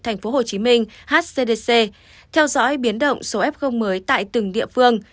tp hcm hcdc theo dõi biến động số f mới tại từng địa phương